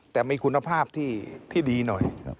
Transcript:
แต่มีคุณภาพที่ดีหน่อย